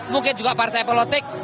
mungkin juga partai politik